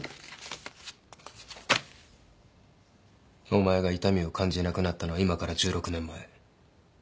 お前が痛みを感じなくなったのは今から１６年前。